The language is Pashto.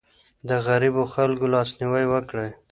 د غريبو خلګو لاسنيوی وکړئ.